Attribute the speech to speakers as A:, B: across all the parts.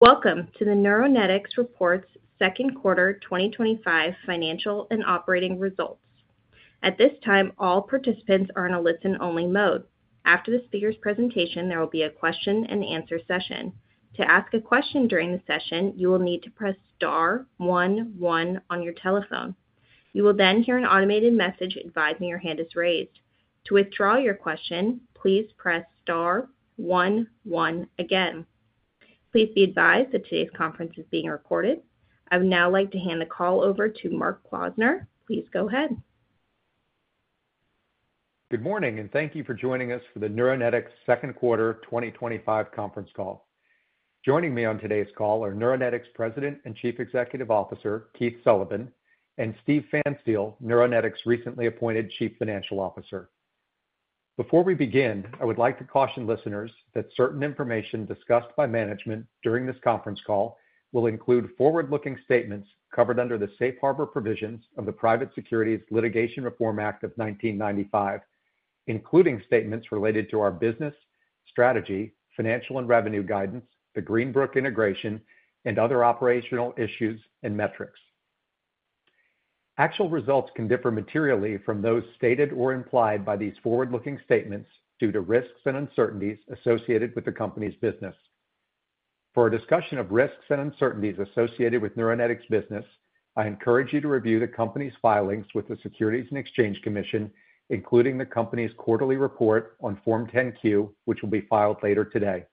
A: Welcome to the Neuronetics Report's Second Quarter 2025 Financial and Operating Results. At this time, all participants are in a listen-only mode. After the speaker's presentation, there will be a question and answer session. To ask a question during the session, you will need to press *11 on your telephone. You will then hear an automated message advising your hand is raised. To withdraw your question, please press *11 again. Please be advised that today's conference is being recorded. I would now like to hand the call over to Mark Klausner. Please go ahead.
B: Good morning, and thank you for joining us for the Neuronetics second quarter 2025 conference call. Joining me on today's call are Neuronetics President and Chief Executive Officer, Keith Sullivan, and Steve Pfanstiel, Neuronetics recently appointed Chief Financial Officer. Before we begin, I would like to caution listeners that certain information discussed by management during this conference call will include forward-looking statements covered under the Safe Harbor provisions of the Private Securities Litigation Reform Act of 1995, including statements related to our business, strategy, financial and revenue guidance, the Greenbrook integration, and other operational issues and metrics. Actual results can differ materially from those stated or implied by these forward-looking statements due to risks and uncertainties associated with the company's business. For a discussion of risks and uncertainties associated with Neuronetics business, I encourage you to review the company's filings with the Securities and Exchange Commission, including the company's quarterly report on Form 10-Q, which will be filed later today.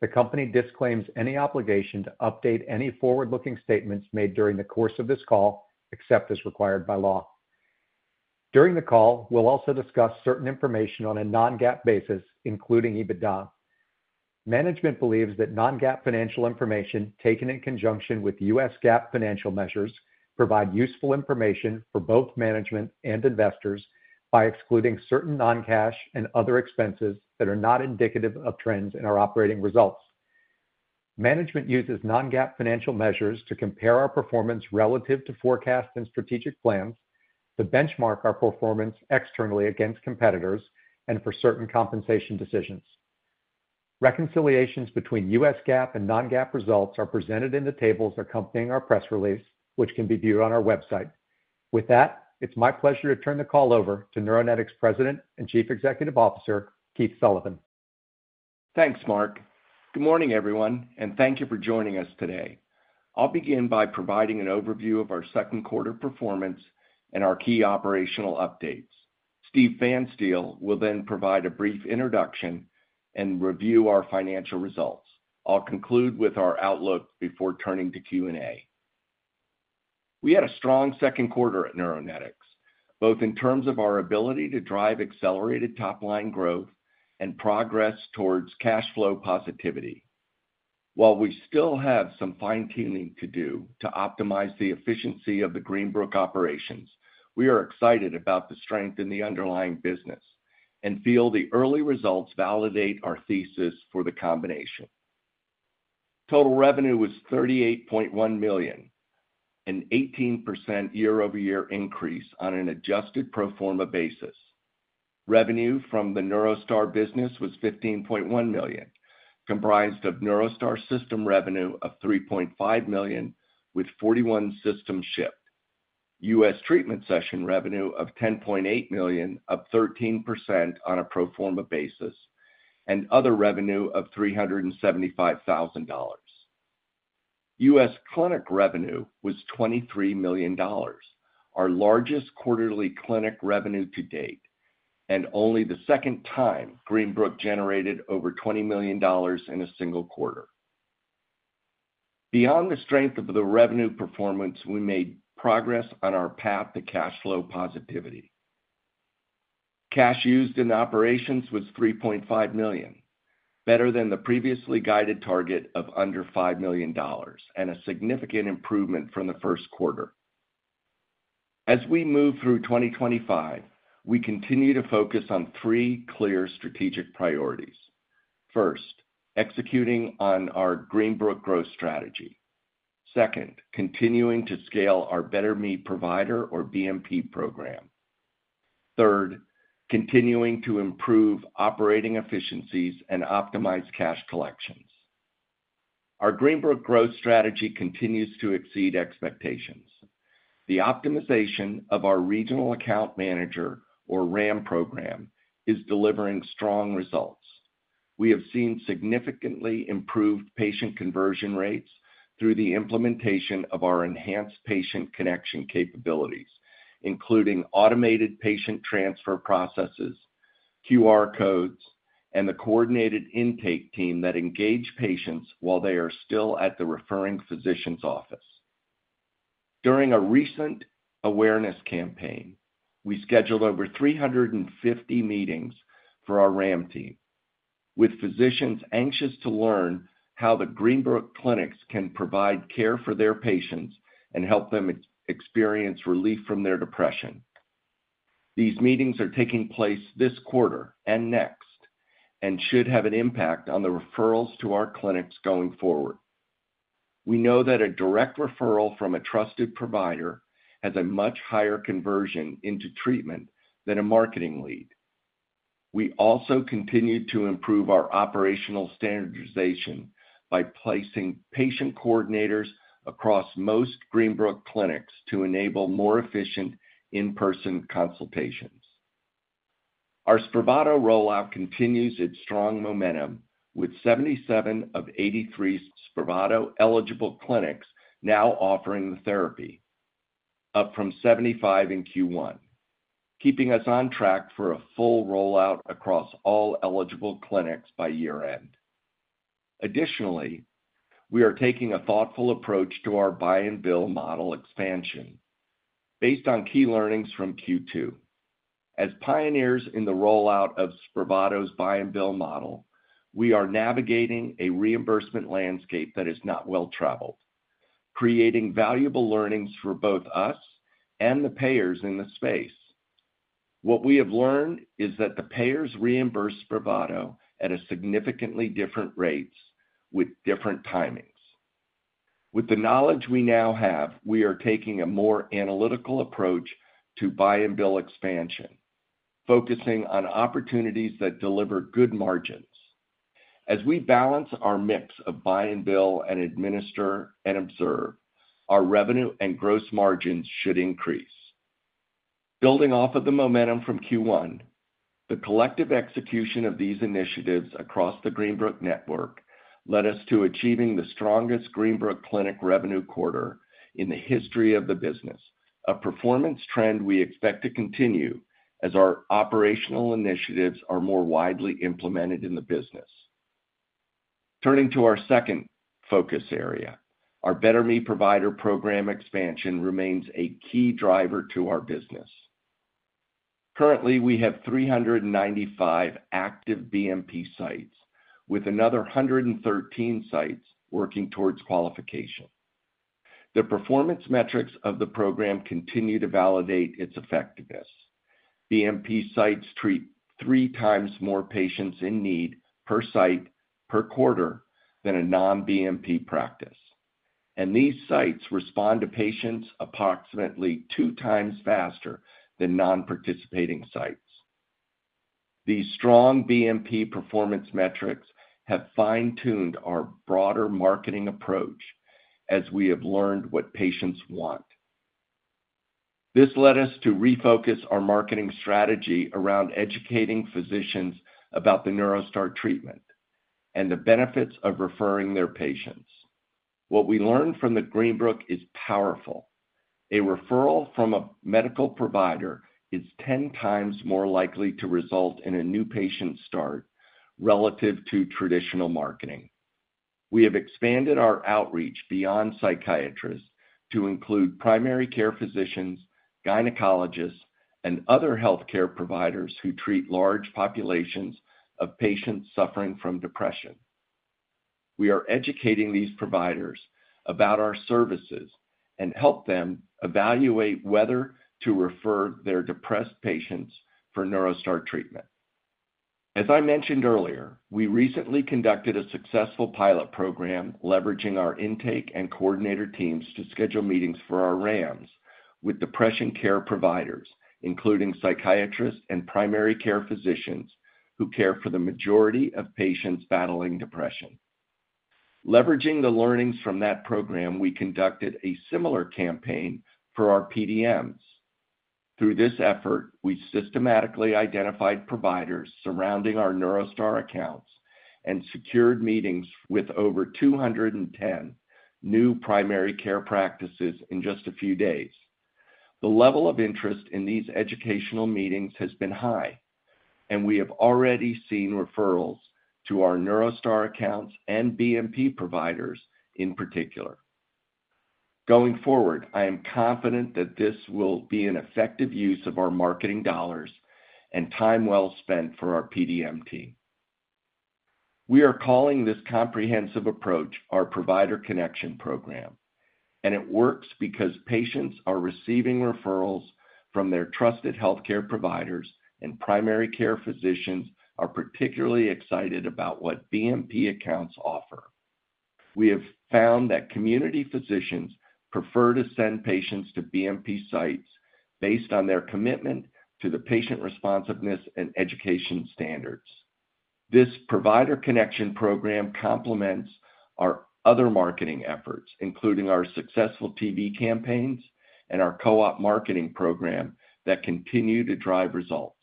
B: The company disclaims any obligation to update any forward-looking statements made during the course of this call, except as required by law. During the call, we'll also discuss certain information on a non-GAAP basis, including EBITDA. Management believes that non-GAAP financial information taken in conjunction with U.S. GAAP financial measures provides useful information for both management and investors by excluding certain non-cash and other expenses that are not indicative of trends in our operating results. Management uses non-GAAP financial measures to compare our performance relative to forecast and strategic plans, to benchmark our performance externally against competitors, and for certain compensation decisions. Reconciliations between U.S. GAAP and non-GAAP results are presented in the tables accompanying our press release, which can be viewed on our website. With that, it's my pleasure to turn the call over to Neuronetics President and Chief Executive Officer, Keith Sullivan.
C: Thanks, Mark. Good morning, everyone, and thank you for joining us today. I'll begin by providing an overview of our second quarter performance and our key operational updates. Steve Pfanstiel will then provide a brief introduction and review our financial results. I'll conclude with our outlook before turning to Q&A. We had a strong second quarter at Neuronetics, both in terms of our ability to drive accelerated top-line growth and progress towards cash flow positivity. While we still have some fine-tuning to do to optimize the efficiency of the Greenbrook operations, we are excited about the strength in the underlying business and feel the early results validate our thesis for the combination. Total revenue was $38.1 million, an 18% year-over-year increase on an adjusted pro forma basis. Revenue from the NeuroStar business was $15.1 million, comprised of NeuroStar System revenue of $3.5 million with 41 systems shipped, U.S. treatment session revenue of $10.8 million, up 13% on a pro forma basis, and other revenue of $375,000. U.S. clinic revenue was $23 million, our largest quarterly clinic revenue to date, and only the second time Greenbrook generated over $20 million in a single quarter. Beyond the strength of the revenue performance, we made progress on our path to cash flow positivity. Cash used in operations was $3.5 million, better than the previously guided target of under $5 million and a significant improvement from the first quarter. As we move through 2025, we continue to focus on three clear strategic priorities. First, executing on our Greenbrook growth strategy. Second, continuing to scale our Better Me Provider, or BMP, Program. Third, continuing to improve operating efficiencies and optimize cash collections. our Greenbrook growth strategy continues to exceed expectations. The optimization of our Regional Account Manager, or RAM, program is delivering strong results. We have seen significantly improved patient conversion rates through the implementation of our enhanced patient connection capabilities, including automated patient transfer processes, QR codes, and the coordinated intake team that engages patients while they are still at the referring physician's office. During a recent awareness campaign, we scheduled over 350 meetings for our RAM team, with physicians anxious to learn how the Greenbrook clinics can provide care for their patients and help them experience relief from their depression. These meetings are taking place this quarter and next and should have an impact on the referrals to our clinics going forward. We know that a direct referral from a trusted provider has a much higher conversion into treatment than a marketing lead. We also continue to improve our operational standardization by placing patient coordinators across most Greenbrook clinics to enable more efficient in-person consultations. Our Spravato rollout continues its strong momentum, with 77 of 83 Spravato eligible clinics now offering the therapy, up from 75 in Q1, keeping us on track for a full rollout across all eligible clinics by year-end. Additionally, we are taking a thoughtful approach to our buy-and-bill model expansion based on key learnings from Q2. As pioneers in the rollout of Spravato's buy-and-bill model, we are navigating a reimbursement landscape that is not well-traveled, creating valuable learnings for both us and the payers in the space. What we have learned is that the payers reimburse Spravato at significantly different rates with different timings. With the knowledge we now have, we are taking a more analytical approach to buy-and-bill expansion, focusing on opportunities that deliver good margins. As we balance our mix of buy-and-bill and administer and observe, our revenue and gross margins should increase. Building off of the momentum from Q1, the collective execution of these initiatives across the Greenbrook network led us to achieving the strongest Greenbrook clinic revenue quarter in the history of the business, a performance trend we expect to continue as our operational initiatives are more widely implemented in the business. Turning to our second focus area, our Better Me Provider Program expansion remains a key driver to our business. Currently, we have 395 active BMP sites, with another 113 sites working towards qualification. The performance metrics of the program continue to validate its effectiveness. BMP sites treat three times more patients in need per site per quarter than a non-BMP practice, and these sites respond to patients approximately two times faster than non-participating sites. These strong BMP performance metrics have fine-tuned our broader marketing approach as we have learned what patients want. This led us to refocus our marketing strategy around educating physicians about the NeuroStar treatment and the benefits of referring their patients. What we learned from the Greenbrook is powerful. A referral from a medical provider is 10x more likely to result in a new patient start relative to traditional marketing. We have expanded our outreach beyond psychiatrists to include primary care physicians, gynecologists, and other healthcare providers who treat large populations of patients suffering from depression. We are educating these providers about our services and help them evaluate whether to refer their depressed patients for NeuroStar treatment. As I mentioned earlier, we recently conducted a successful pilot program leveraging our intake and coordinator teams to schedule meetings for our RAMs with depression care providers, including psychiatrists and primary care physicians who care for the majority of patients battling depression. Leveraging the learnings from that program, we conducted a similar campaign for our PDMs. Through this effort, we systematically identified providers surrounding our NeuroStar accounts and secured meetings with over 210 new primary care practices in just a few days. The level of interest in these educational meetings has been high, and we have already seen referrals to our NeuroStar accounts and Better Me Provider Program providers in particular. Going forward, I am confident that this will be an effective use of our marketing dollars and time well spent for our PDM team. We are calling this comprehensive approach our provider connection program, and it works because patients are receiving referrals from their trusted healthcare providers, and primary care physicians are particularly excited about what Better Me Provider Program accounts offer. We have found that community physicians prefer to send patients to Better Me Provider Program sites based on their commitment to the patient responsiveness and education standards. This provider connection program complements our other marketing efforts, including our successful TV campaigns and our co-op marketing program that continue to drive results.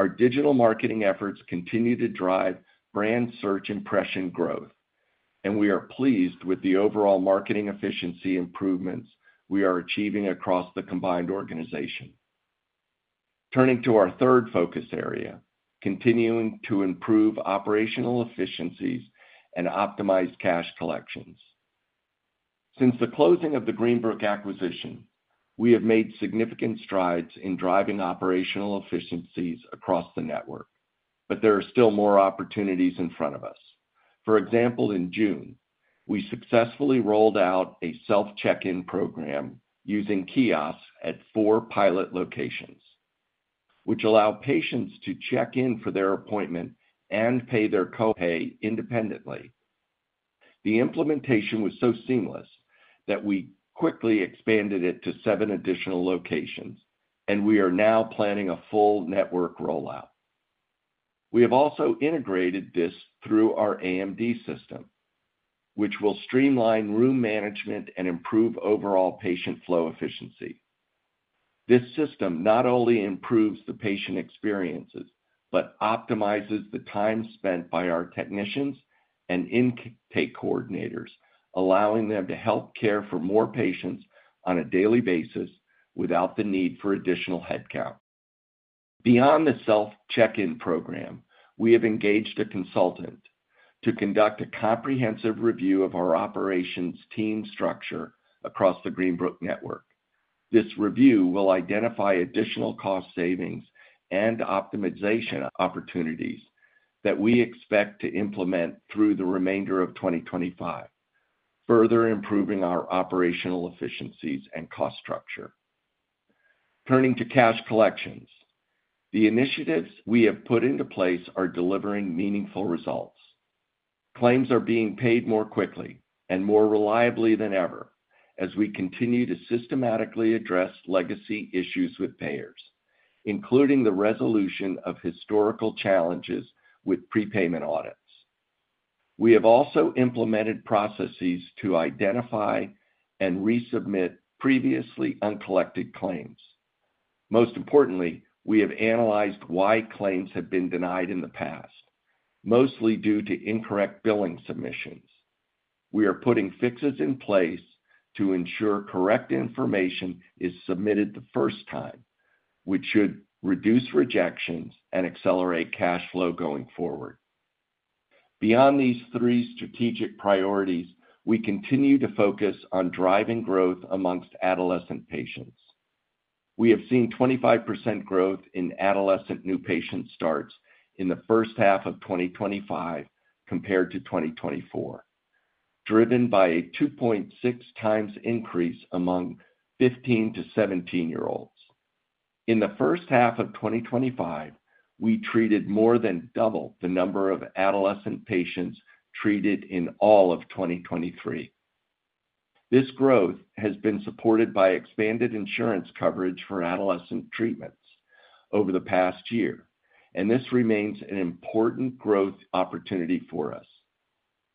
C: Our digital marketing efforts continue to drive brand search impression growth, and we are pleased with the overall marketing efficiency improvements we are achieving across the combined organization. Turning to our third focus area, continuing to improve operational efficiencies and optimize cash collections. Since the closing of the Greenbrook acquisition, we have made significant strides in driving operational efficiencies across the network, but there are still more opportunities in front of us. For example, in June, we successfully rolled out a self-check-in program using self-check-in kiosks at four pilot locations, which allow patients to check in for their appointment and pay their co-pay independently. The implementation was so seamless that we quickly expanded it to seven additional locations, and we are now planning a full network rollout. We have also integrated this through our EMR system, which will streamline room management and improve overall patient flow efficiency. This system not only improves the patient experience but optimizes the time spent by our technicians and intake coordinators, allowing them to help care for more patients on a daily basis without the need for additional headcount. Beyond the self-check-in program, we have engaged a consultant to conduct a comprehensive review of our operations team structure across the Greenbrook network. This review will identify additional cost savings and optimization opportunities that we expect to implement through the remainder of 2025, further improving our operational efficiencies and cost structure. Turning to cash collections, the initiatives we have put into place are delivering meaningful results. Claims are being paid more quickly and more reliably than ever as we continue to systematically address legacy issues with payers, including the resolution of historical challenges with prepayment audits. We have also implemented processes to identify and resubmit previously uncollected claims. Most importantly, we have analyzed why claims have been denied in the past, mostly due to incorrect billing submissions. We are putting fixes in place to ensure correct information is submitted the first time, which should reduce rejections and accelerate cash flow going forward. Beyond these three strategic priorities, we continue to focus on driving growth amongst adolescent patients. We have seen 25% growth in adolescent new patient starts in the first half of 2025 compared to 2024, driven by a 2.6x increase among 15-17-year-olds. In the first half of 2025, we treated more than double the number of adolescent patients treated in all of 2023. This growth has been supported by expanded insurance coverage for adolescent patient treatments over the past year, and this remains an important growth opportunity for us.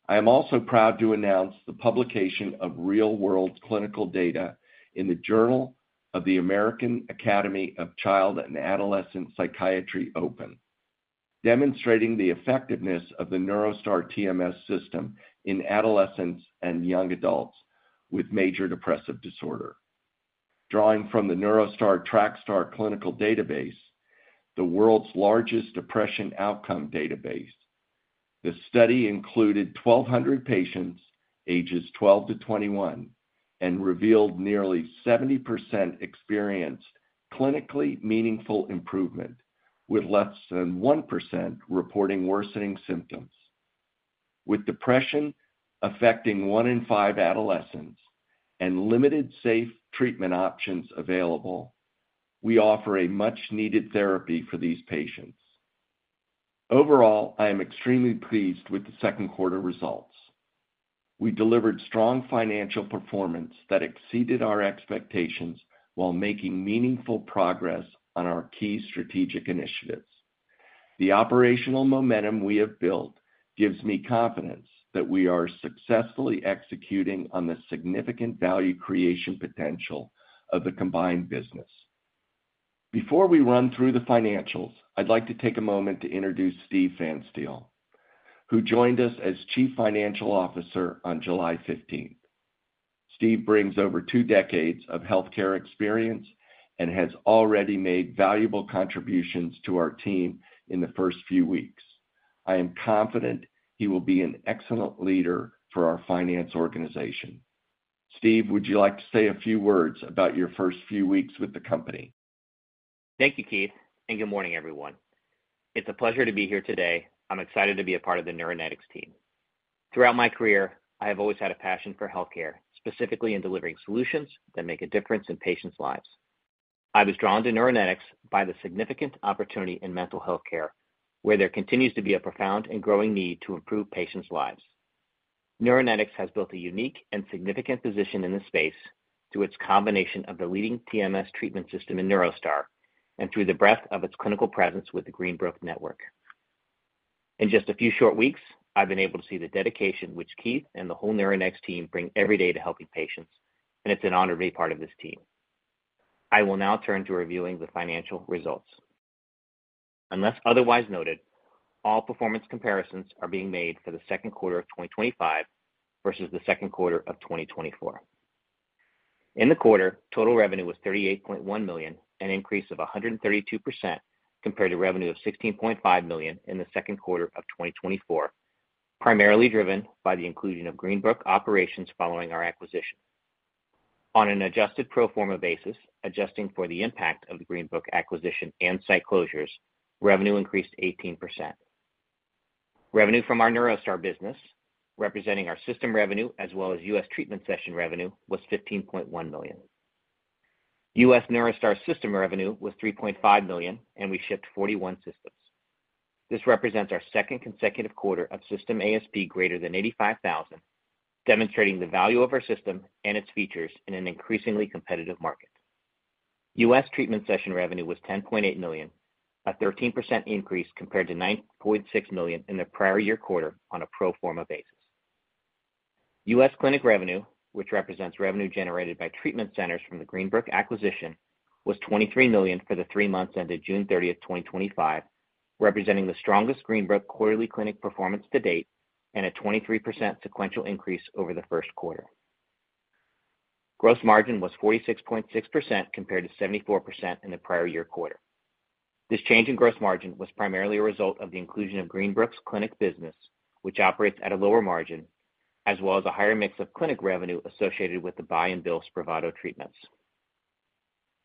C: I am also proud to announce the publication of real-world clinical data in the Journal of the American Academy of Child and Adolescent Psychiatry Open, demonstrating the effectiveness of the NeuroStar TMS system in adolescents and young adults with major depressive disorder. Drawing from the NeuroStar TrackStar clinical database, the world's largest depression outcome database, the study included 1,200 patients ages 12-21 and revealed nearly 70% experience clinically meaningful improvement, with less than 1% reporting worsening symptoms. With depression affecting one in five adolescents and limited safe treatment options available, we offer a much-needed therapy for these patients. Overall, I am extremely pleased with the second quarter results. We delivered strong financial performance that exceeded our expectations while making meaningful progress on our key strategic initiatives. The operational momentum we have built gives me confidence that we are successfully executing on the significant value creation potential of the combined business. Before we run through the financials, I'd like to take a moment to introduce Steve Pfanstiel, who joined us as Chief Financial Officer on July 15th. Steve brings over two decades of healthcare experience and has already made valuable contributions to our team in the first few weeks. I am confident he will be an excellent leader for our finance organization. Steve, would you like to say a few words about your first few weeks with the company?
D: Thank you, Keith, and good morning, everyone. It's a pleasure to be here today. I'm excited to be a part of the Neuronetics team. Throughout my career, I have always had a passion for healthcare, specifically in delivering solutions that make a difference in patients' lives. I was drawn to Neuronetics by the significant opportunity in mental healthcare, where there continues to be a profound and growing need to improve patients' lives. Neuronetics has built a unique and significant position in this space through its combination of the leading TMS treatment system in NeuroStar and through the breadth of its clinical presence with the Greenbrook network. In just a few short weeks, I've been able to see the dedication which Keith and the whole Neuronetics team bring every day to helping patients, and it's an honor to be part of this team. I will now turn to reviewing the financial results. Unless otherwise noted, all performance comparisons are being made for the second quarter of 2025 versus the second quarter of 2024. In the quarter, total revenue was $38.1 million, an increase of 132% compared to revenue of $16.5 million in the second quarter of 2024, primarily driven by the inclusion of Greenbrook operations following our acquisition. On an adjusted pro forma basis, adjusting for the impact of the Greenbrook acquisition and site closures, revenue increased 18%. Revenue from our NeuroStar business, representing our system revenue as well as U.S. treatment session revenue, was $15.1 million. U.S. NeuroStar system revenue was $3.5 million, and we shipped 41 systems. This represents our second consecutive quarter of system ASP greater than $85,000, demonstrating the value of our system and its features in an increasingly competitive market. U.S. treatment session revenue was $10.8 million, a 13% increase compared to $9.6 million in the prior year quarter on a pro forma basis. U.S. clinic revenue, which represents revenue generated by treatment centers from the Greenbrook acquisition, was $23 million for the three months ended June 30, 2025, representing the strongest Greenbrook quarterly clinic performance to date and a 23% sequential increase over the first quarter. Gross margin was 46.6% compared to 74% in the prior year quarter. This change in gross margin was primarily a result of the inclusion of Greenbrook's clinic business, which operates at a lower margin, as well as a higher mix of clinic revenue associated with the buy-and-bill Spravato treatments.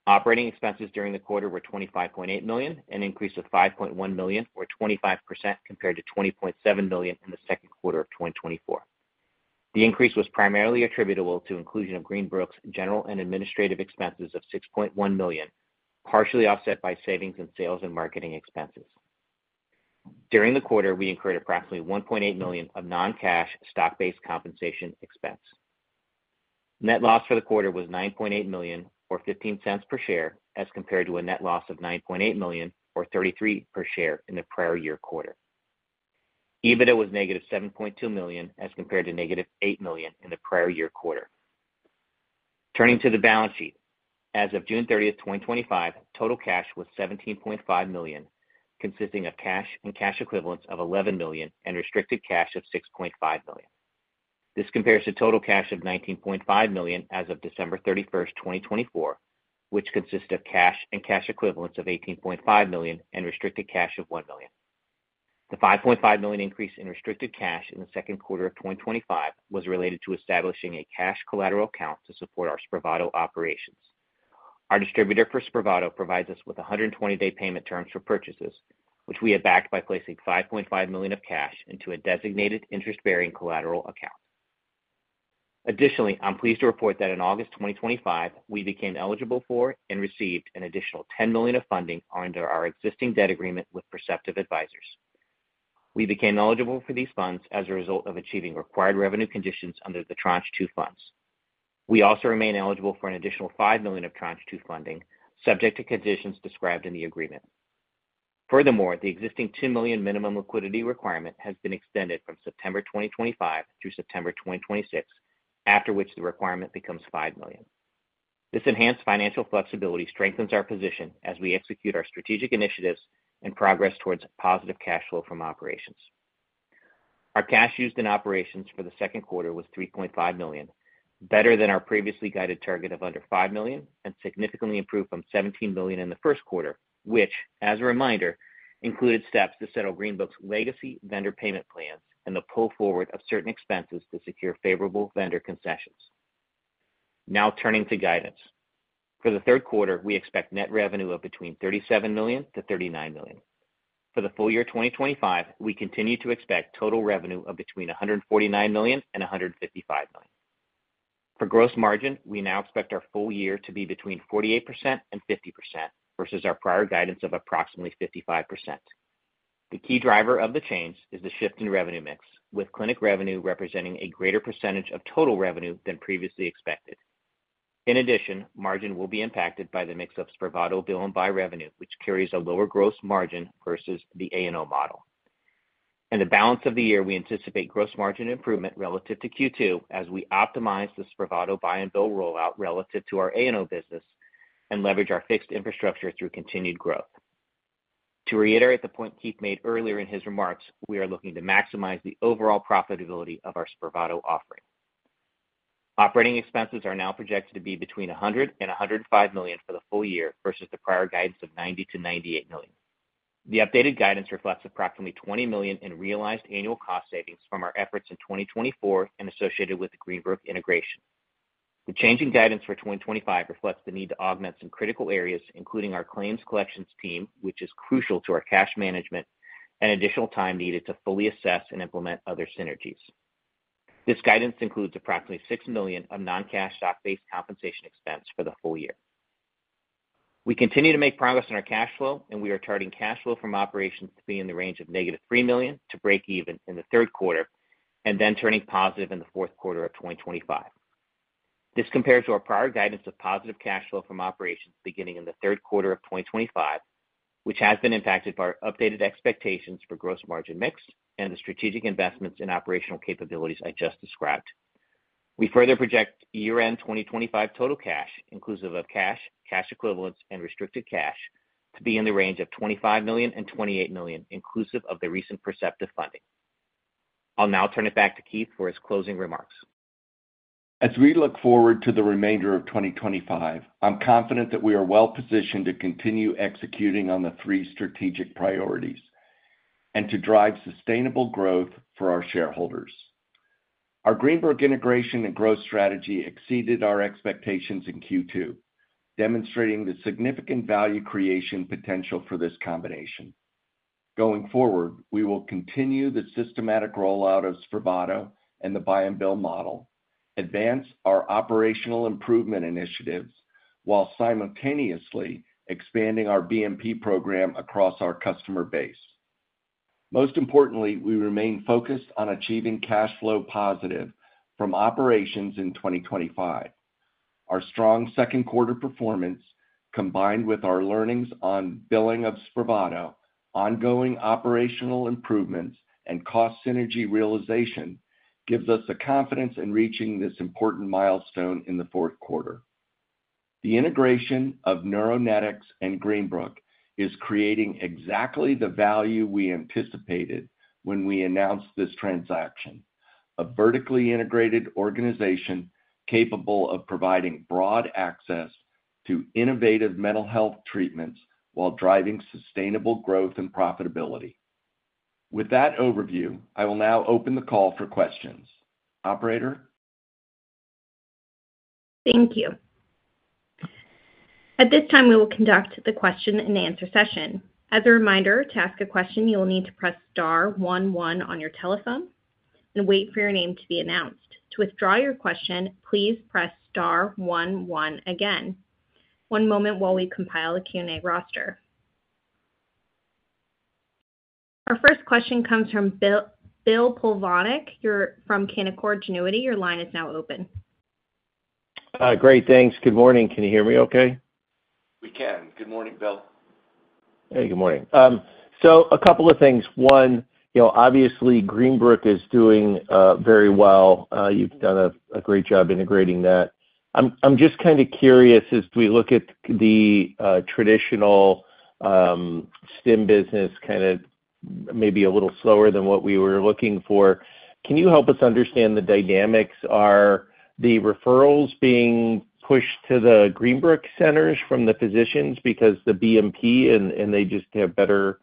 D: Operating expenses during the quarter were $25.8 million, an increase of $5.1 million, or 25% compared to $20.7 million in the second quarter of 2024. The increase was primarily attributable to the inclusion of Greenbrook 's general and administrative expenses of $6.1 million, partially offset by savings in sales and marketing expenses. During the quarter, we incurred approximately $1.8 million of non-cash stock-based compensation expense. Net loss for the quarter was $9.8 million, or $0.15 per share, as compared to a net loss of $9.8 million, or $0.33 per share in the prior year quarter. EBITDA was -$7.2 million as compared to negative $8 million in the prior year quarter. Turning to the balance sheet, as of June 30, 2025, total cash was $17.5 million, consisting of cash and cash equivalents of $11 million and restricted cash of $6.5 million. This compares to total cash of $19.5 million as of December 31, 2024, which consists of cash and cash equivalents of $18.5 million and restricted cash of $1 million. The $5.5 million increase in restricted cash in the second quarter of 2025 was related to establishing a cash collateral account to support our Spravato operations. Our distributor for Spravato provides us with 120-day payment terms for purchases, which we have backed by placing $5.5 million of cash into a designated interest-bearing collateral account. Additionally, I'm pleased to report that in August 2025, we became eligible for and received an additional $10 million of funding under our existing debt agreement with Perceptive Advisors. We became eligible for these funds as a result of achieving required revenue conditions under the tranche two funds. We also remain eligible for an additional $5 million of tranche two funding subject to conditions described in the agreement. Furthermore, the existing $10 million minimum liquidity requirement has been extended from September 2025 through September 2026, after which the requirement becomes $5 million. This enhanced financial flexibility strengthens our position as we execute our strategic initiatives and progress towards positive cash flow from operations. Our cash used in operations for the second quarter was $3.5 million, better than our previously guided target of under $5 million and significantly improved from $17 million in the first quarter, which, as a reminder, included steps to settle Greenbrook 's legacy vendor payment plans and the pull forward of certain expenses to secure favorable vendor concessions. Now turning to guidance. For the third quarter, we expect net revenue of between $37 million to $39 million. For the full year 2025, we continue to expect total revenue of between $149 million and $155 million. For gross margin, we now expect our full year to be between 48% and 50% versus our prior guidance of approximately 55%. The key driver of the change is the shift in revenue mix, with clinic revenue representing a greater percentage of total revenue than previously expected. In addition, margin will be impacted by the mix of Spravato bill and buy revenue, which carries a lower gross margin versus the A&O model. In the balance of the year, we anticipate gross margin improvement relative to Q2 as we optimize the Spravato buy-and-bill rollout relative to our A&O business and leverage our fixed infrastructure through continued growth. To reiterate the point Keith made earlier in his remarks, we are looking to maximize the overall profitability of our Spravato offering. Operating expenses are now projected to be between $100 million and $105 million for the full year versus the prior guidance of $90 million to $98 million. The updated guidance reflects approximately $20 million in realized annual cost savings from our efforts in 2024 and associated with the Greenbrook integration. The change in guidance for 2025 reflects the need to augment some critical areas, including our claims collections team, which is crucial to our cash management, and additional time needed to fully assess and implement other synergies. This guidance includes approximately $6 million of non-cash stock-based compensation expense for the full year. We continue to make progress in our cash flow, and we are targeting cash flow from operations to be in the range of negative $3 million to break even in the third quarter and then turning positive in the fourth quarter of 2025. This compares to our prior guidance of positive cash flow from operations beginning in the third quarter of 2025, which has been impacted by our updated expectations for gross margin mix and the strategic investments in operational capabilities I just described. We further project year-end 2025 total cash, inclusive of cash, cash equivalents, and restricted cash, to be in the range of $25 million and $28 million, inclusive of the recent Perceptive Advisors funding. I'll now turn it back to Keith for his closing remarks. As we look forward to the remainder of 2025, I'm confident that we are well-positioned to continue executing on the three strategic priorities and to drive sustainable growth for our shareholders. our Greenbrook integration and growth strategy exceeded our expectations in Q2, demonstrating the significant value creation potential for this combination. Going forward, we will continue the systematic rollout of SPRAVATO and the buy-and-bill model, advance our operational improvement initiatives, while simultaneously expanding our BMP Program across our customer base. Most importantly, we remain focused on achieving cash flow positive from operations in 2025. Our strong second quarter performance, combined with our learnings on billing of SPRAVATO, ongoing operational improvements, and cost synergy realization, gives us the confidence in reaching this important milestone in the fourth quarter. The integration of Neuronetics and Greenbrook is creating exactly the value we anticipated when we announced this transaction: a vertically integrated organization capable of providing broad access to innovative mental health treatments while driving sustainable growth and profitability. With that overview, I will now open the call for questions. Operator?
A: Thank you. At this time, we will conduct the question and answer session. As a reminder, to ask a question, you will need to press *11 on your telephone and wait for your name to be announced. To withdraw your question, please press *11 again. One moment while we compile the Q&A roster. Our first question comes from William Plovanic. You're from Canaccord Genuity. Your line is now open.
E: Great, thanks. Good morning. Can you hear me okay?
C: We can. Good morning, Bill.
E: Hey, good morning. A couple of things. One, obviously Greenbrook is doing very well. You've done a great job integrating that. I'm just kind of curious, as we look at the traditional TMS business, maybe a little slower than what we were looking for, can you help us understand the dynamics? Are the referrals being pushed to the Greenbrook centers from the physicians because of the Better Me Provider Program and they just have better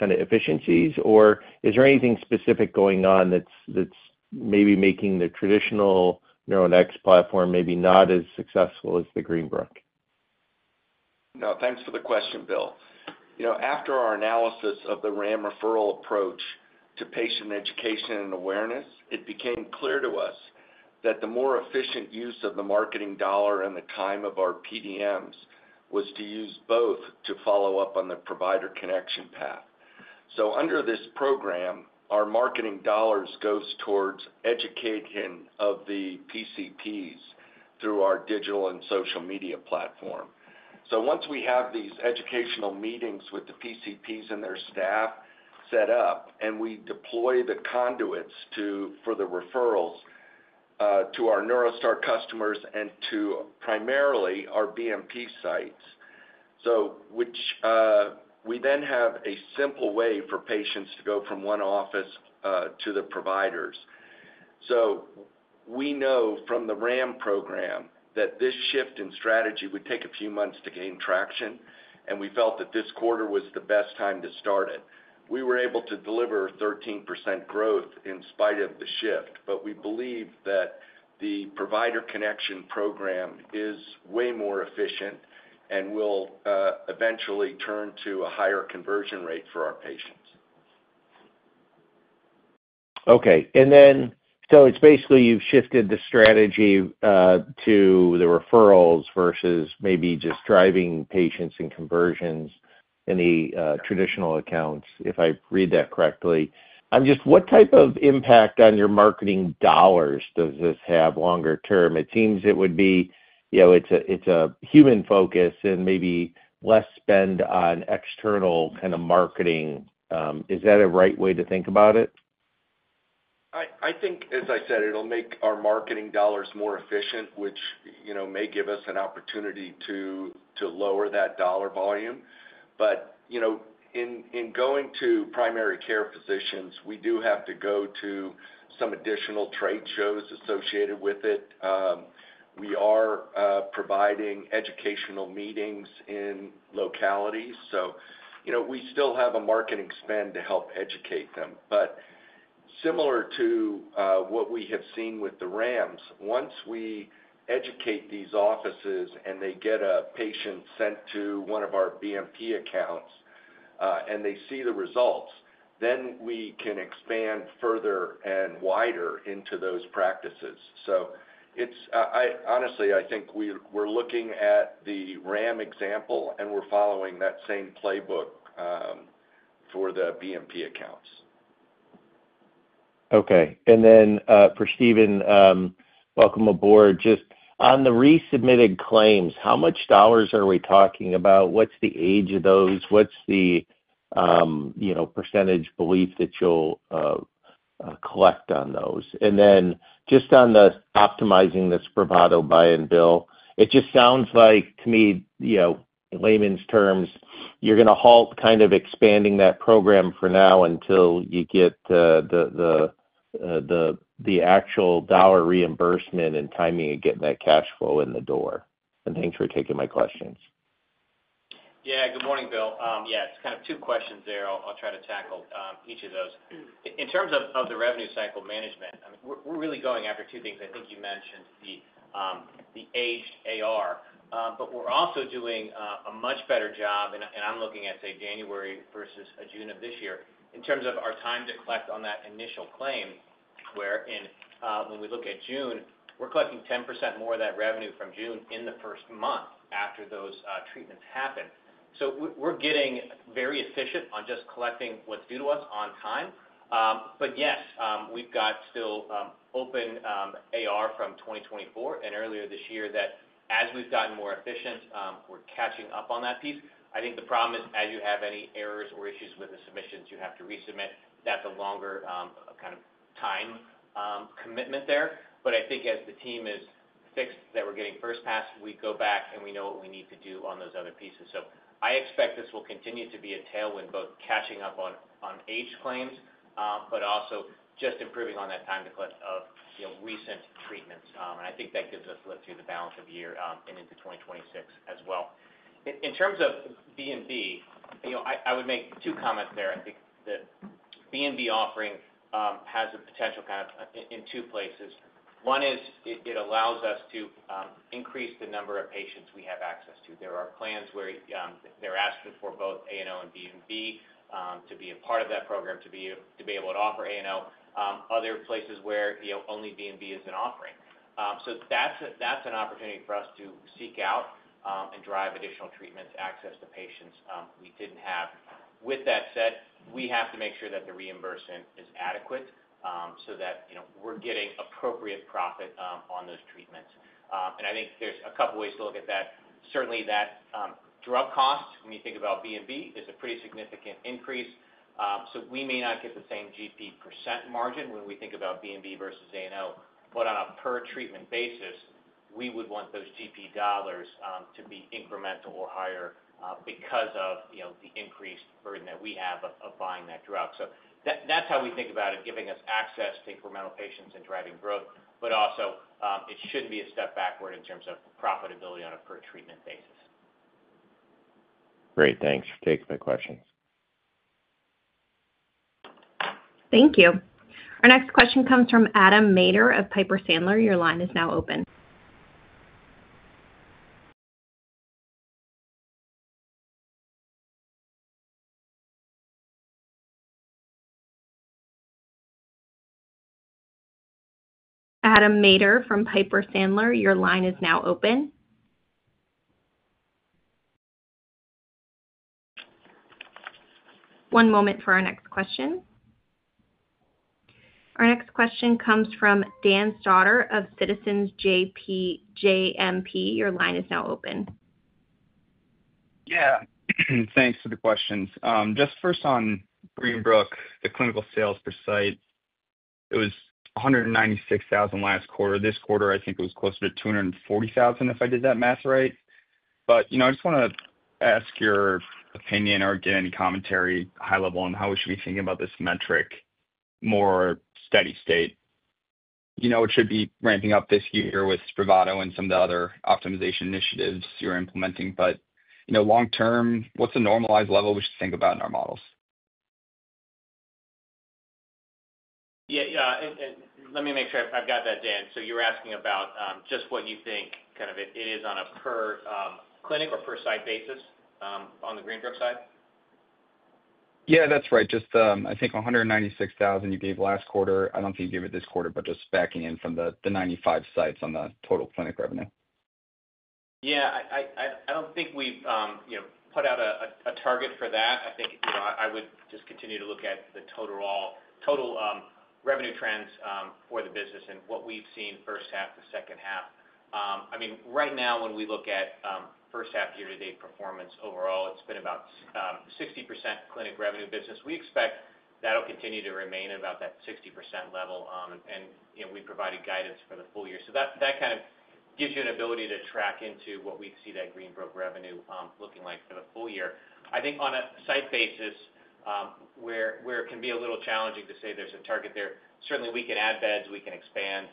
E: efficiencies, or is there anything specific going on that's maybe making the traditional Neuronetics platform maybe not as successful as Greenbrook?
C: No, thanks for the question, Bill. After our analysis of the RAM referral approach to patient education and awareness, it became clear to us that the more efficient use of the marketing dollar and the time of our PDMs was to use both to follow up on the provider connection path. Under this program, our marketing dollars go towards education of the PCPs through our digital and social media platform. Once we have these educational meetings with the PCPs and their staff set up, we deploy the conduits for the referrals to our NeuroStar customers and to primarily our BMP sites, which gives us a simple way for patients to go from one office to the providers. We know from the RAM program that this shift in strategy would take a few months to gain traction, and we felt that this quarter was the best time to start it. We were able to deliver 13% growth in spite of the shift, and we believe that the provider connection program is way more efficient and will eventually turn to a higher conversion rate for our patients.
E: Okay. It's basically you've shifted the strategy to the referrals versus maybe just driving patients and conversions in the traditional accounts, if I read that correctly. I'm just, what type of impact on your marketing dollars does this have longer term? It seems it would be, you know, it's a human focus and maybe less spend on external kind of marketing. Is that a right way to think about it?
C: I think, as I said, it'll make our marketing dollars more efficient, which may give us an opportunity to lower that dollar volume. In going to primary care physicians, we do have to go to some additional trade shows associated with it. We are providing educational meetings in localities, so we still have a marketing spend to help educate them. Similar to what we have seen with the RAMs, once we educate these offices and they get a patient sent to one of our BMP accounts and they see the results, we can expand further and wider into those practices. I honestly think we're looking at the RAM example and we're following that same playbook for the BMP accounts.
E: Okay. For Steven, welcome aboard. Just on the resubmitted claims, how much dollars are we talking about? What's the age of those? What's the, you know, percentage belief that you'll collect on those? Just on the optimizing the SPRAVATO buy-and-bill, it just sounds like to me, in layman's terms, you're going to halt kind of expanding that program for now until you get the actual dollar reimbursement and timing of getting that cash flow in the door. Thanks for taking my questions.
D: Yeah, good morning, Bill. It's kind of two questions there. I'll try to tackle each of those. In terms of the revenue cycle management, we're really going after two things. I think you mentioned the aged AR, but we're also doing a much better job, and I'm looking at, say, January versus June of this year, in terms of our time to collect on that initial claim, wherein when we look at June, we're collecting 10% more of that revenue from June in the first month after those treatments happen. We're getting very efficient on just collecting what's due to us on time. Yes, we've got still open AR from 2024 and earlier this year that as we've gotten more efficient, we're catching up on that piece. I think the problem is as you have any errors or issues with the submissions you have to resubmit, that's a longer kind of time commitment there. I think as the team has fixed that we're getting first pass, we go back and we know what we need to do on those other pieces. I expect this will continue to be a tailwind, both catching up on aged claims, but also just improving on that time to collect of recent treatments. I think that gives us a look through the balance of year and into 2026 as well. In terms of BMB, I would make two comments there. I think the BMB offering has a potential kind of in two places. One is it allows us to increase the number of patients we have access to. There are plans where they're asking for both A&O and BMB to be a part of that program, to be able to offer A&O. Other places where only BMB is an offering. That's an opportunity for us to seek out and drive additional treatments, access to patients we didn't have. With that said, we have to make sure that the reimbursement is adequate so that we're getting appropriate profit on those treatments. I think there's a couple of ways to look at that. Certainly, that drug cost, when you think about BMB, is a pretty significant increase. We may not get the same GP % margin when we think about BMB versus A&O, but on a per-treatment basis, we would want those GP dollars to be incremental or higher because of the increased burden that we have of buying that drug. That's how we think about it, giving us access to incremental patients and driving growth. It shouldn't be a step backward in terms of profitability on a per-treatment basis.
E: Great. Thanks for taking my question.
A: Thank you. Our next question comes from Adam Maeder of Piper Sandler. Your line is now open. Adam Maeder from Piper Sandler, your line is now open. One moment for our next question. Our next question comes from Danny Stauder of Citizens JMP. Your line is now open.
F: Yeah, thanks for the questions. Just first on Greenbrook, the clinical sales per site, it was $196,000 last quarter. This quarter, I think it was closer to $240,000 if I did that math right. I just want to ask your opinion or get any commentary, high level, on how we should be thinking about this metric, more steady state. It should be ramping up this year with SPRAVATO and some of the other optimization initiatives you're implementing. Long term, what's a normalized level we should think about in our models?
D: Yeah, let me make sure I've got that, Dan. You're asking about just what you think it is on a per-clinic or per-site basis on the Greenbrook side?
F: Yeah, that's right. I think 196,000 you gave last quarter. I don't think you gave it this quarter, but just backing in from the 95 sites on the total clinic revenue.
D: Yeah, I don't think we've put out a target for that. I think, you know, I would just continue to look at the total revenue trends for the business and what we've seen first half to second half. Right now, when we look at first half year-to-date performance overall, it's been about 60% clinic revenue business. We expect that'll continue to remain about that 60% level, and, you know, we provided guidance for the full year. That kind of gives you an ability to track into what we see that Greenbrook revenue looking like for the full year. I think on a site basis, where it can be a little challenging to say there's a target there, certainly we can add beds, we can expand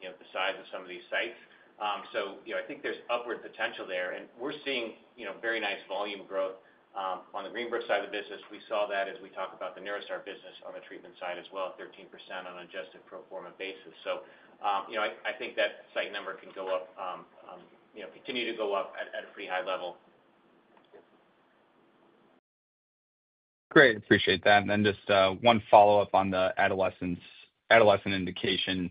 D: the size of some of these sites. I think there's upward potential there, and we're seeing very nice volume growth on the Greenbrook side of the business. We saw that as we talk about the NeuroStar business on the treatment side as well, 13% on an adjusted pro forma basis. I think that site number can go up, you know, continue to go up at a pretty high level.
F: Great, appreciate that. Just one follow-up on the adolescent indication.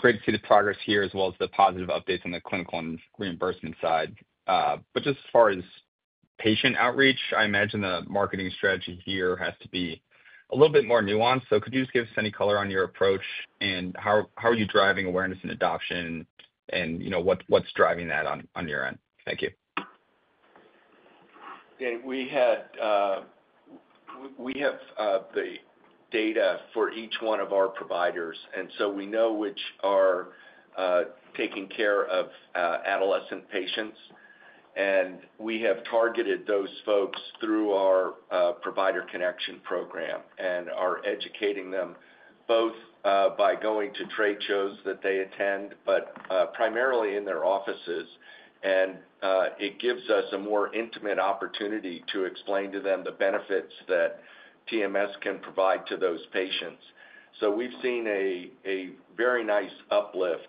F: Great to see the progress here as well as the positive updates on the clinical and reimbursement side. As far as patient outreach, I imagine the marketing strategy here has to be a little bit more nuanced. Could you give us any color on your approach and how you are driving awareness and adoption, and what is driving that on your end? Thank you.
C: Yeah, we have the data for each one of our providers, and we know which are taking care of adolescent patients. We have targeted those folks through our provider connection program and are educating them both by going to trade shows that they attend, primarily in their offices. It gives us a more intimate opportunity to explain to them the benefits that TMS can provide to those patients. We have seen a very nice uplift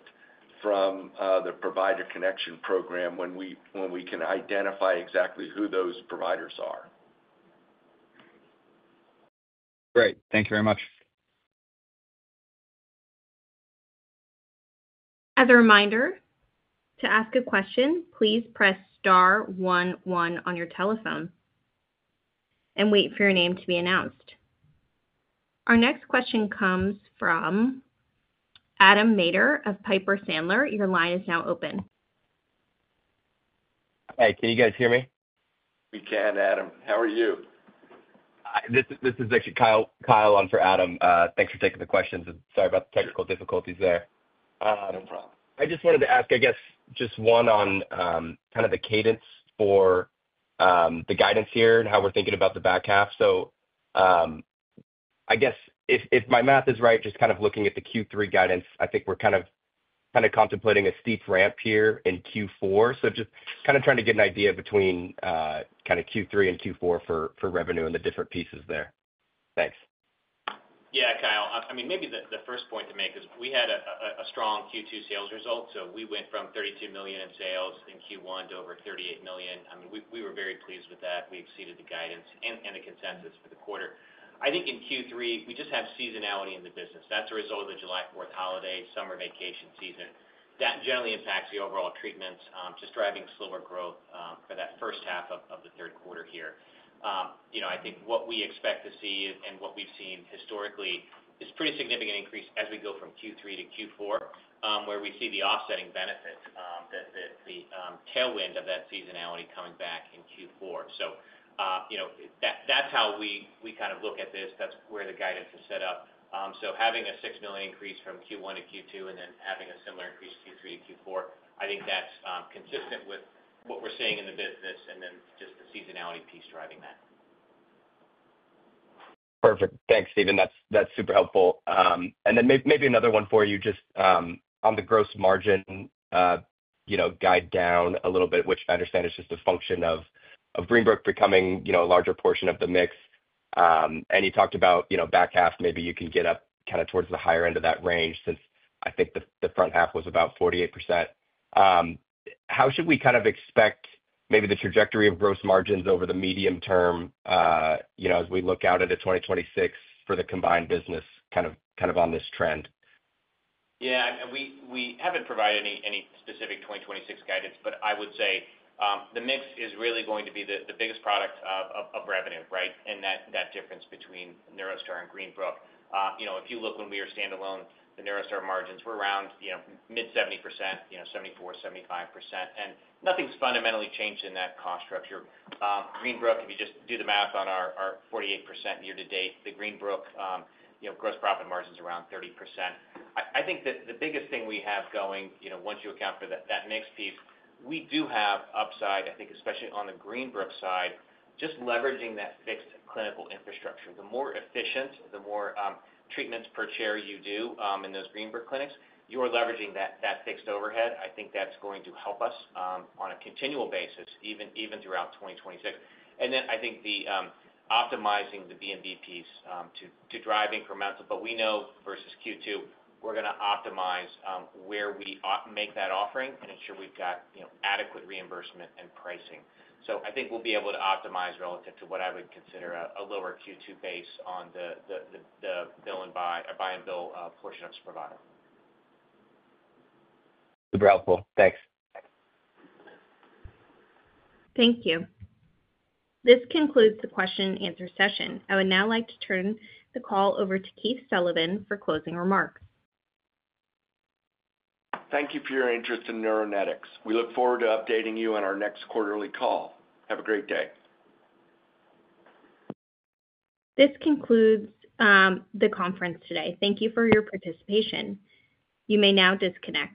C: from the provider connection program when we can identify exactly who those providers are.
F: Great, thank you very much.
A: As a reminder, to ask a question, please press *11 on your telephone and wait for your name to be announced. Our next question comes from Adam Maeder of Piper Sandler. Your line is now open.
G: Hey, can you guys hear me?
C: We can, Adam. How are you?
D: This is actually Kyle on for Adam. Thanks for taking the questions. Sorry about the technical difficulties there.
C: Oh, no problem.
D: I just wanted to ask, I guess, just one on kind of the cadence for the guidance here and how we're thinking about the back half. If my math is right, just kind of looking at the Q3 guidance, I think we're kind of contemplating a steep ramp here in Q4. Just kind of trying to get an idea between Q3 and Q4 for revenue and the different pieces there. Thanks. Yeah, Kyle. Maybe the first point to make is we had a strong Q2 sales result. We went from $32 million in sales in Q1 to over $38 million. We were very pleased with that. We exceeded the guidance and the consensus for the quarter. I think in Q3, we just have seasonality in the business. That's a result of the July 4th holiday, summer vacation season. That generally impacts the overall treatments, just driving slower growth for that first half of the third quarter here. I think what we expect to see and what we've seen historically is a pretty significant increase as we go from Q3 to Q4, where we see the offsetting benefit, the tailwind of that seasonality coming back in Q4. That's how we kind of look at this. That's where the guidance is set up. Having a $6 million increase from Q1 to Q2 and then having a similar increase Q3 to Q4, I think that's consistent with what we're seeing in the business and then just the seasonality piece driving that.
F: Perfect. Thanks, Steven. That's super helpful. Maybe another one for you, just on the gross margin, you know, guide down a little bit, which I understand is just a function of Greenbrook becoming, you know, a larger portion of the mix. You talked about, you know, back half, maybe you can get up kind of towards the higher end of that range since I think the front half was about 48%. How should we kind of expect maybe the trajectory of gross margins over the medium term, you know, as we look out into 2026 for the combined business kind of on this trend?
D: Yeah, and we haven't provided any specific 2026 guidance, but I would say the mix is really going to be the biggest product of revenue, right? That difference between NeuroStar and Greenbrook. You know, if you look when we were standalone, the NeuroStar margins were around, you know, mid-70%, you know, 74%, 75%, and nothing's fundamentally changed in that cost structure. Greenbrook, if you just do the math on our 48% year-to-date, the Greenbrook, you know, gross profit margin's around 30%. I think that the biggest thing we have going, you know, once you account for that mixed piece, we do have upside, I think, especially on the Greenbrook side, just leveraging that fixed clinical infrastructure. The more efficient, the more treatments per chair you do in those Greenbrook clinics, you're leveraging that fixed overhead. I think that's going to help us on a continual basis, even throughout 2026. I think the optimizing the BMB piece to drive incremental, but we know versus Q2, we're going to optimize where we make that offering and ensure we've got adequate reimbursement and pricing. I think we'll be able to optimize relative to what I would consider a lower Q2 base on the buy-and-bill portion of SPRAVATO.
F: Super helpful. Thanks.
A: Thank you. This concludes the question and answer session. I would now like to turn the call over to Keith Sullivan for closing remarks.
C: Thank you for your interest in Neuronetics. We look forward to updating you on our next quarterly call. Have a great day.
A: This concludes the conference today. Thank you for your participation. You may now disconnect.